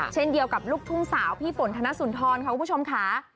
เช่นเดียวกับลูกทุ่งสาวพี่ฝนธนสุนทรค่ะคุณผู้ชมค่ะ